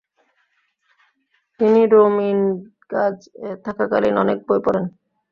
তিনি টোমিনগাজ এ থাকাকালীন অনেক বই পড়েন।